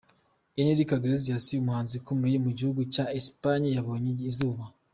Enrique Iglesias, umuhanzi ukomoka mu gihugu cya Espagne yabonye izuba.